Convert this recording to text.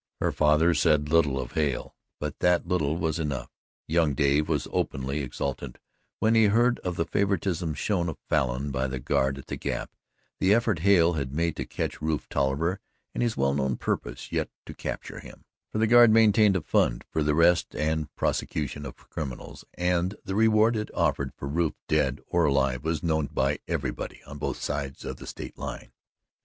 Her father said little of Hale, but that little was enough. Young Dave was openly exultant when he heard of the favouritism shown a Falin by the Guard at the Gap, the effort Hale had made to catch Rufe Tolliver and his well known purpose yet to capture him; for the Guard maintained a fund for the arrest and prosecution of criminals, and the reward it offered for Rufe, dead or alive, was known by everybody on both sides of the State line.